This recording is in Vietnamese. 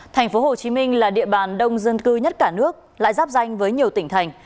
thành phố hồ chí minh là địa bàn đông dân cư nhất cả nước lại giáp danh với nhiều tỉnh thành